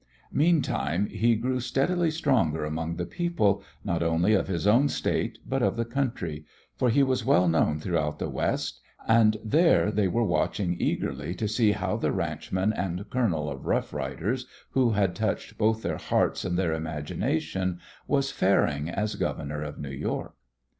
Meantime he grew steadily stronger among the people, not only of his own State but of the country, for he was well known throughout the West, and there they were watching eagerly to see how the ranchman and colonel of Rough Riders, who had touched both their hearts and their imagination, was faring as governor of New York.